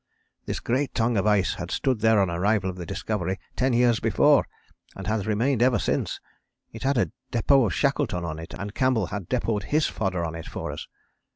This great Tongue of ice had stood there on arrival of the Discovery, ten years before, and had remained ever since; it had a depôt of Shackleton's on it, and Campbell had depôted his fodder on it for us.